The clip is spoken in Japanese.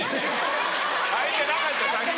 開いてなかったさっき。